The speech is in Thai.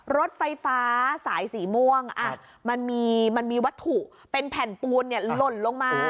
รถไฟฟ้าสายสีม่วงมันมีวัตถุเป็นแผ่นปูนหล่นลงมา